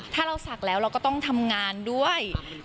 ถ้าเราศักดิ์แล้วเราก็ต้องทำงานด้วย